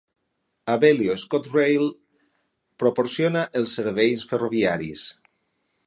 Abellio ScotRail proporciona els serveis ferroviaris.